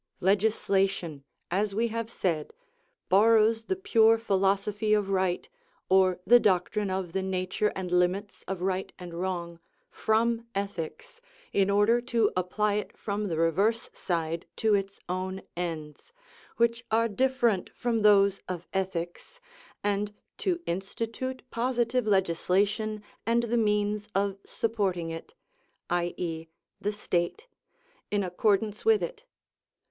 Legislation, as we have said, borrows the pure philosophy of right, or the doctrine of the nature and limits of right and wrong, from ethics, in order to apply it from the reverse side to its own ends, which are different from those of ethics, and to institute positive legislation and the means of supporting it, i.e., the state, in accordance with it.